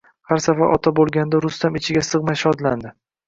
Har safar ota bo`lganida Rustam ichiga sig`may shodlandi